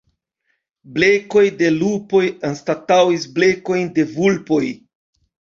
Blekoj de lupoj anstataŭis blekojn de vulpoj.